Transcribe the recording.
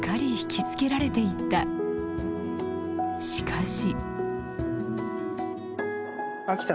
しかし。